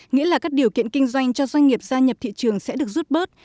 nghĩa là các điều kiện kinh doanh cho doanh nghiệp gia nhập thị trường sẽ được rút bớt